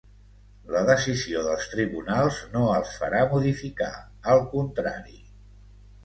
La decisió dels tribunals no els farà modificar, al contrari.